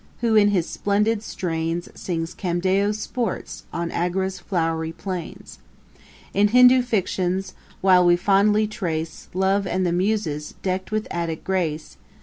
who in his splendid strains Sings Camdeo's sports, on Agra's flowery plains: In Hindu fictions while we fondly trace Love and the Muses, deck'd with Attick grace.